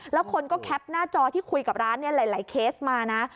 แล้วคนก็แคปหน้าจอที่คุยกับร้านหลายเคสมานะ